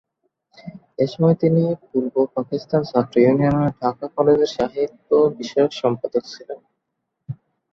এসময় তিনি পূর্ব পাকিস্তান ছাত্র ইউনিয়নের ঢাকা কলেজের সাহিত্য বিষয়ক সম্পাদক ছিলেন।